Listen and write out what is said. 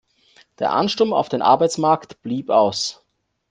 Der Ansturm auf den Arbeitsmarkt blieb aus.